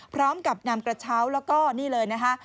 พร้อมกับนำกระเช้าแล้วก็นี่เลยนะคะ